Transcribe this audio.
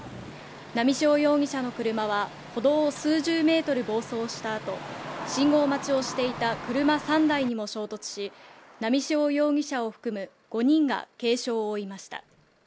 波汐容疑者の車は歩道を数十メートル暴走したあと信号待ちをしていた車３台にも衝突し波汐容疑者を含む５人が軽傷を負いました